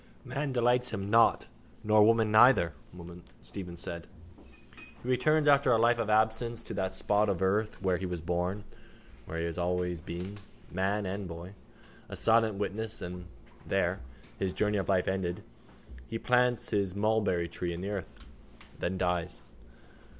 —Man delights him not nor woman neither, Stephen said. He returns after a life of absence to that spot of earth where he was born, where he has always been, man and boy, a silent witness and there, his journey of life ended, he plants his mulberrytree in the earth. Then dies.